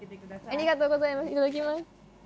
ありがとうございます。